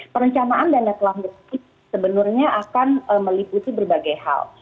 perencanaan dana terlanjut sebenarnya akan meliputi berbagai hal